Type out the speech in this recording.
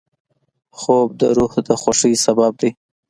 خوب د روح د خوښۍ سبب دی